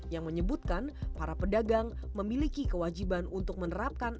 yang menyebutkan para pedagang memiliki kewajiban untuk menerapkan